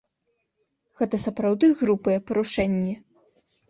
Гэта сапраўды грубыя парушэнні.